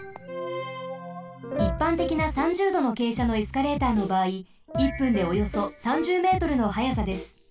いっぱんてきな３０どのけいしゃのエスカレーターのばあい１分でおよそ３０ｍの速さです。